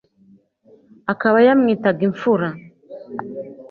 akaba yamwitaga imfura